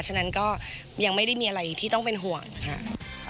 ฉะนั้นก็ยังไม่ได้มีอะไรที่ต้องเป็นห่วงค่ะ